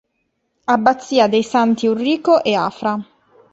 Abbazia dei Santi Ulrico e Afra